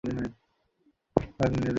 হ্যাঁ, এটাইতো সে!